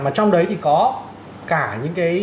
mà trong đấy thì có cả những cái